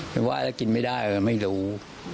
ไม่ว่ากินไม่ได้แล้วไม่รู้